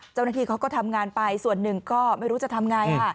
เจ้าหน้าที่เขาก็ทำงานไปส่วนหนึ่งก็ไม่รู้จะทำไง